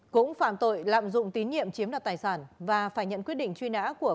cũng phạm tội lạm dụng tín nhiệm chiếm đoạt tài sản và phải nhận quyết định truy nã của